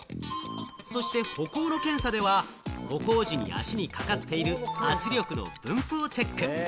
そして歩行の検査では、歩行時に足にかかっている圧力の分布をチェック。